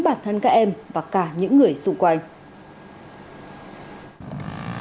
bản thân các em và cả những người xung quanh